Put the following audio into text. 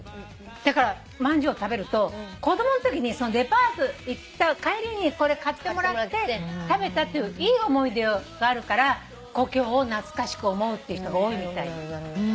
だからまんじゅうを食べると子供のときにデパート行った帰りにこれ買ってもらって食べたっていういい思い出があるから故郷を懐かしく思うっていう人が多いみたい。